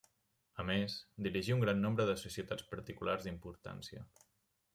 A més, dirigí gran nombre de societats particulars d'importància.